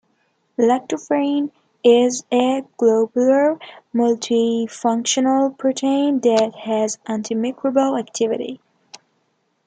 Lactoferrin is a globular, multifunctional protein that has antimicrobial activity.